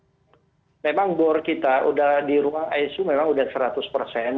ya itu memang bor kita di ruang isu memang sudah seratus persen